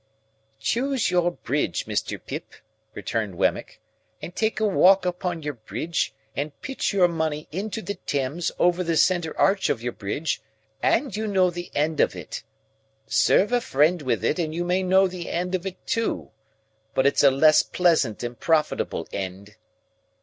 "Choose your bridge, Mr. Pip," returned Wemmick, "and take a walk upon your bridge, and pitch your money into the Thames over the centre arch of your bridge, and you know the end of it. Serve a friend with it, and you may know the end of it too,—but it's a less pleasant and profitable end."